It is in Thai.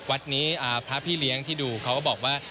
วัดนี้พระพี่เลี้ยงที่ดูเขาก็บอกว่า